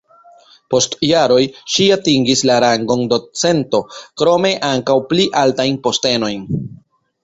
Post jaroj ŝi atingis la rangon docento krome ankaŭ pli altajn postenojn.